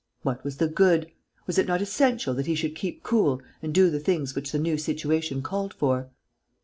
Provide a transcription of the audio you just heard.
What was the good? Was it not essential that he should keep cool and do the things which the new situation called for?